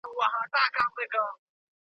پشي د خدای لپاره موږک نه نیسي .